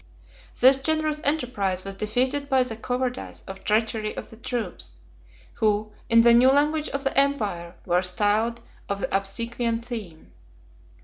This generous enterprise was defeated by the cowardice or treachery of the troops, who, in the new language of the empire, were styled of the Obsequian Theme.